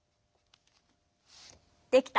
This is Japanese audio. できた。